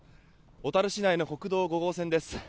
小樽市内の国道５号線です。